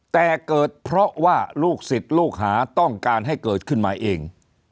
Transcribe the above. แต่เกิดเพราะว่าลูกศิษย์ลูกหาต้องการให้เกิดขึ้นมาเอง